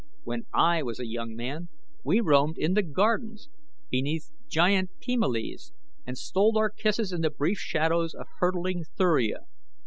When I was a young man we roamed in the gardens beneath giant pimalias and stole our kisses in the brief shadows of hurtling Thuria.